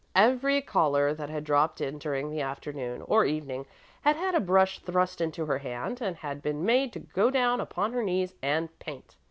Every caller that had dropped in during the afternoon or evening had had a brush thrust into her hand and had been made to go down upon her knees and paint.